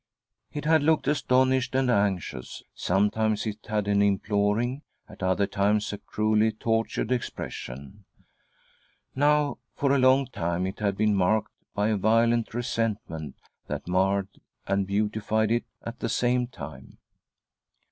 It had looked astonished and anxious ; sometimes it had an imploring; at other times a cruelly tortured expression. Now for a long time it had been marked . by a violent resentment, that marred and beautified it at the same time.